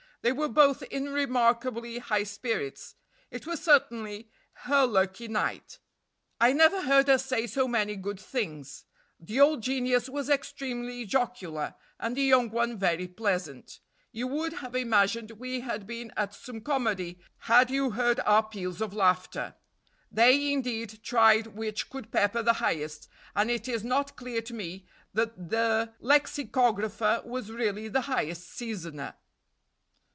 They were both in remarkably high spirits. It was certainly her lucky night. I never heard her say so many good things. The old genius was extremely jocular, and the young one very pleasant. You would have imagined we had been at some comedy had you heard our peals of laughter. They, indeed, tried which could pepper the highest, and it is not clear to me that the lexicographer was really the highest seasoner."